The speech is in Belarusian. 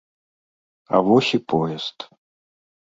А вось і поезд.